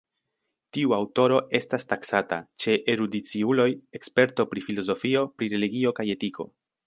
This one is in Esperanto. Tiu aŭtoro estas taksata, ĉe erudiciuloj, eksperto pri filozofio, pri religio kaj etiko.